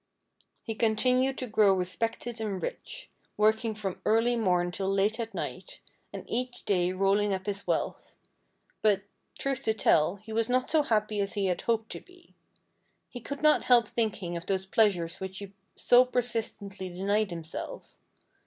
He continued to grow respected and rich, working from early morn till late at night, and each day rolling up his wealth ; but, truth to tell, he was not so happy as he had hoped to be. He could not help thinking of those pleasures which he so persistently denied himself.